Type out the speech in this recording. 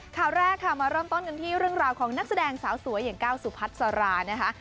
ข่าวแรกค่ะมาเริ่มต้นกันที่เรื่องราวของนักแสดงสาวสวยอย่างก้าวสุพัสรานะคะ